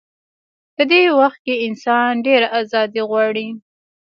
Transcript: په دې وخت کې انسان ډېره ازادي غواړي.